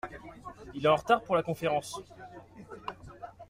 Il est en retard pour la conférence.